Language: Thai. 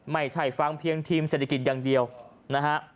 ไม่ใช่ฟังเพียงทีมเศรษฐกิจอย่างเดียวนะฮะ